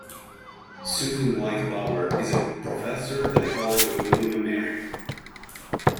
Susan Wise Bauer is a professor at the College of William and Mary.